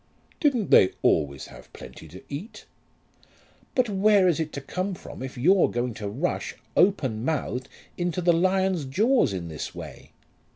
"Didn't they always have plenty to eat?" "But where is it to come from if you're going to rush openmouthed into the lion's jaws in this way?